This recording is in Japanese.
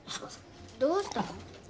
どうしたの？